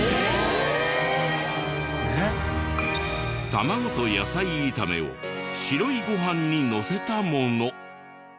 卵と野菜炒めを白いご飯にのせたもの。